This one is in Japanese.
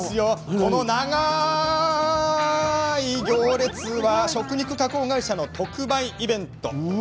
この長ーい行列は食肉加工会社の特売イベント。